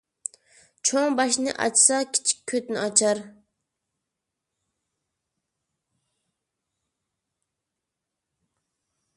چوڭ باشنى ئاچسا، كىچىك كۆتنى ئاچار